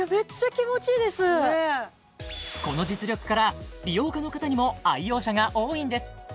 この実力から美容家の方にも愛用者が多いんです